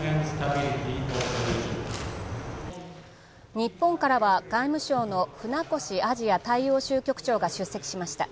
日本からは外務省の船越アジア太平洋州局長が出席しました。